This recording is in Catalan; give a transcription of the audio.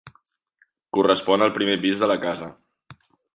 Correspon al primer pis de la casa.